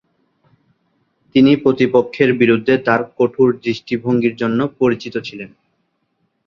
তিনি প্রতিপক্ষের বিরুদ্ধে তার কঠোর দৃষ্টিভঙ্গির জন্য পরিচিত ছিলেন।